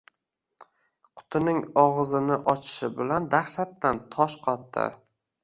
Qutining og`zini ochishi bilan dahshatdan tosh qotdi